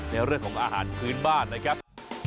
ในเรื่องของอาหารพื้นบ้านนะครับ